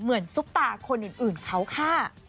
เหมือนซุปป่าคนอื่นเขาค่ะ